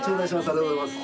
ありがとうございます。